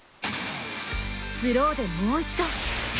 スローでもう一度。